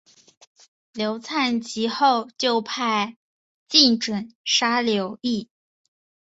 刘粲及后就派靳准杀死刘乂。